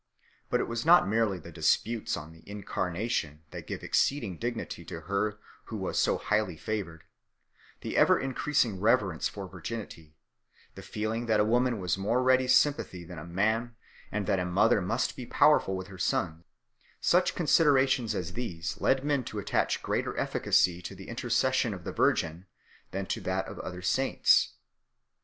But it was not merely the disputes on the Incarnation that gave exceeding dignity to her who was so highly favoured ; the ever increasing reverence for virginity, the feeling that a woman has more ready sympathy than a man and that a mother must be powerful with her son such considera tions as these led men to attach greater efficacy to the intercession of the Virgin than to that of other saints.